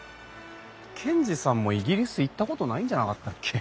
賢治さんもイギリス行ったことないんじゃなかったっけ？